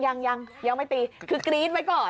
ยังยังไม่ตีคือกรี๊ดไว้ก่อน